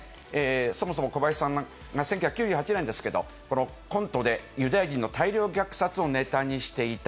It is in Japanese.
そもそも小林さんが１９９８年ですけど、このコントで、ユダヤ人の大量虐殺をネタにしていた。